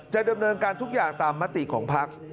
ดำเนินการทุกอย่างตามมติของพัก